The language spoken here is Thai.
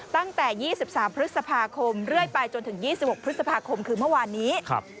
ตั้งแต่๒๓พฤษภาคมเรื่อยไปจนถึง๒๖พฤษภาคมคือเมื่อวานนี้